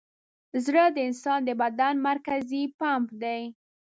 زړه د انسان د بدن مرکزي پمپ دی.